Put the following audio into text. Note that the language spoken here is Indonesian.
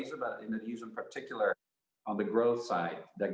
di bagian peningkatan yang memberikan